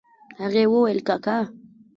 هغې وويل کاکا.